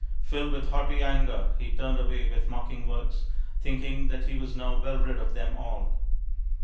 Filled with haughty anger he turned away with mocking words, thinking that he was now well rid of them all.